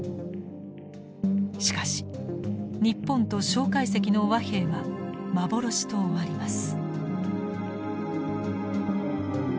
しかし日本と介石の和平は幻と終わります。